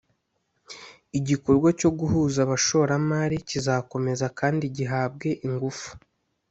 igikorwa cyo guhuza abashoramari kizakomeza kandi gihabwe ingufu.